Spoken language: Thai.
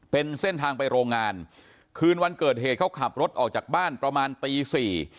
เป็นเส้นทางไปโรงงานคืนวันเกิดเหตุเขาขับรถออกจากบ้านประมาณตีสี่